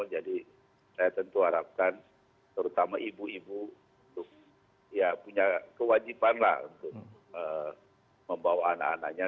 jadi saya tentu harapkan terutama ibu ibu untuk ya punya kewajipanlah untuk membawa anak anaknya